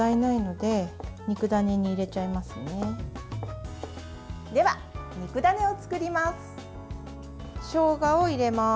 では、肉ダネを作ります。